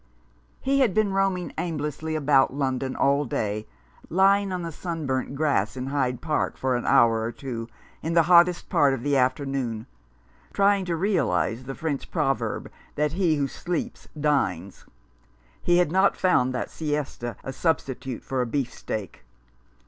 He had been roaming aimlessly about London all day — lying on the sunburnt grass in Hyde Park for an hour or two in the hottest part of the afternoon, trying to realize the French proverb that he who sleeps dines. He had not found that siesta a substitute for a beefsteak.